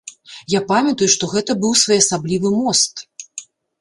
Я памятаю, што гэта быў своеасаблівы мост.